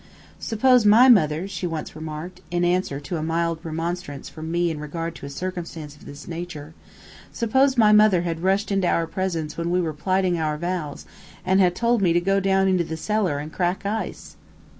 "Suppose my mother," she once remarked, in answer to a mild remonstrance from me in regard to a circumstance of this nature, "suppose my mother had rushed into our presence when we were plighting our vows, and had told me to go down into the cellar and crack ice!"